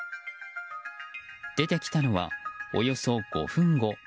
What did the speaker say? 出てきたのは、およそ５分後。